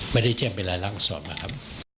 ไม่ได้แจ้งเป็นไรลักอักษรมาครับ